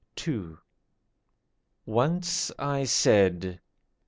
II. Once I said.